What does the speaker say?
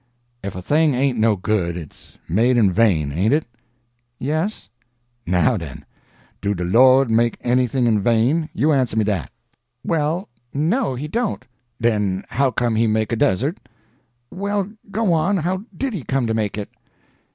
"Ef a thing ain't no good, it's made in vain, ain't it?" "Yes." "Now, den! Do de Lord make anything in vain? You answer me dat." "Well—no, He don't." "Den how come He make a desert?" "Well, go on. How did He come to make it?"